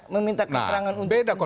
meminta keterangan untuk penjelasan